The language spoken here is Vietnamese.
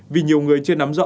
vì nhiều người chưa nắm rõ